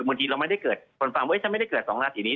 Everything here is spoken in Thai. บางทีเราไม่ได้เกิดคนฟังว่าฉันไม่ได้เกิด๒ราศีนี้